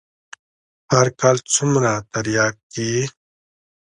هر کال څومره ترياک کيي.